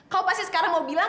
kau pasti sekarang mau bilang